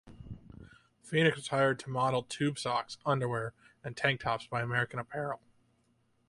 Phoenix was hired to model tube socks, underwear, and tank tops by American Apparel.